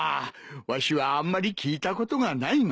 わしはあんまり聞いたことがないがな。